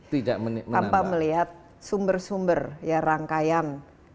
tanpa melihat sumber sumber rangkaian